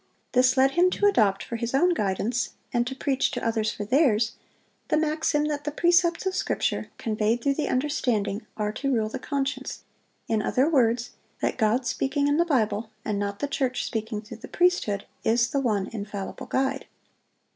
This led him to adopt for his own guidance, and to preach to others for theirs, the maxim that the precepts of Scripture, conveyed through the understanding, are to rule the conscience; in other words, that God speaking in the Bible, and not the church speaking through the priesthood, is the one infallible guide."